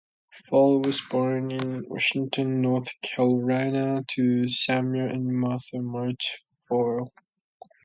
Fowle was born in Washington, North Carolina to Samuel and Martha March Fowle.